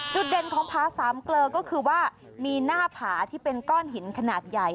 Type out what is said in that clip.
เด่นของผาสามเกลอก็คือว่ามีหน้าผาที่เป็นก้อนหินขนาดใหญ่